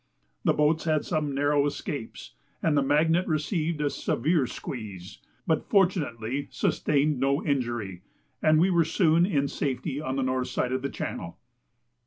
The boats had some narrow escapes, and the Magnet received a severe squeeze, but fortunately sustained no injury, and we were soon in safety on the north side of the channel.